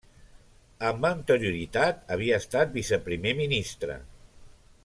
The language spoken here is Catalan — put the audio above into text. Amb anterioritat havia estat Viceprimer Ministre.